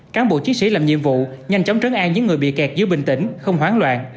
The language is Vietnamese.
cán bộ chiến sĩ làm nhiệm vụ nhanh chóng trấn an những người bị kẹt giữa bình tĩnh không hoán loạn